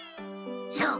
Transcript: そう。